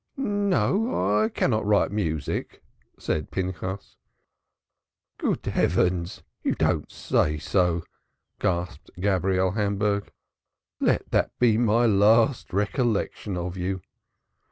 "No, I cannot write music," said Pinchas. "Good heavens! You don't say so?" gasped Gabriel Hamburg. "Let that be my last recollection of you!